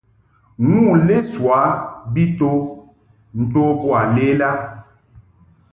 Nu lesoa mbi to nto boa lela.